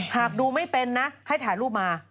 หากดูไม่เป็นนะให้ถ่ายรูปมา